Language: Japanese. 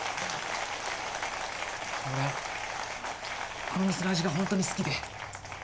俺この店の味が本当に好きで。